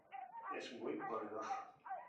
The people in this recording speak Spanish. Es muy poderoso.